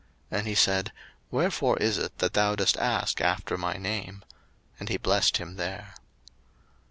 And he said, Wherefore is it that thou dost ask after my name? And he blessed him there.